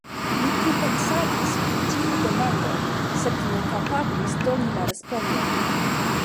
Mi pripensadis pri tiu demando, sed ne kapablis doni la respondon.